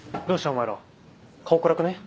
お前ら顔暗くね？